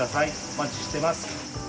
お待ちしてます。